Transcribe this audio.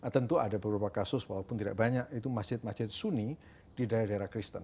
tentu ada beberapa kasus walaupun tidak banyak itu masjid masjid suni di daerah daerah kristen